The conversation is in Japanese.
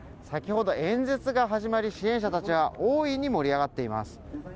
先ほど演説が始まり支援者たちは大いに盛り上がっています